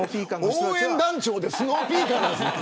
応援団長でスノーピーカーなんですね。